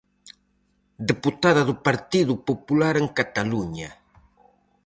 Deputada do Partido Popular en Cataluña.